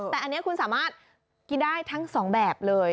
แต่อันนี้คุณสามารถกินได้ทั้งสองแบบเลย